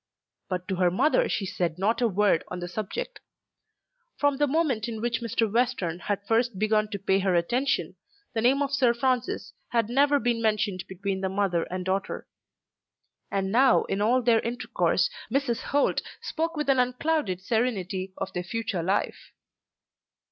But to her mother she said not a word on the subject. From the moment in which Mr. Western had first begun to pay her attention, the name of Sir Francis had never been mentioned between the mother and daughter. And now in all their intercourse Mrs. Holt spoke with an unclouded serenity of their future life.